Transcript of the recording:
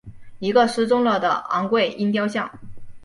一个失纵了的昴贵鹰雕像。